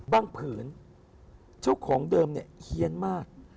บ้างผื่นเช่าของเดิมฮียนมาก